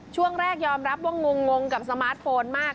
ช่วงแรกยอมรับว่างงกับสมาร์ทโฟนมาก